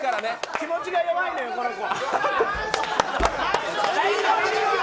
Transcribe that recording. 気持ちが弱いんです、この子。